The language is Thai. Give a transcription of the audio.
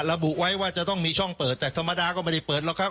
ระบุไว้ว่าจะต้องมีช่องเปิดแต่ธรรมดาก็ไม่ได้เปิดหรอกครับ